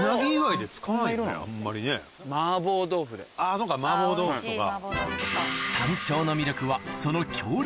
あぁそっか麻婆豆腐とか。